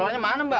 tularnya mana mbak